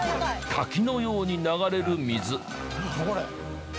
滝のように流れる水。